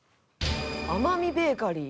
天海ベーカリー。